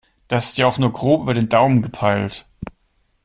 Das ist ja auch nur grob über den Daumen gepeilt.